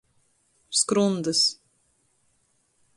Skrundys.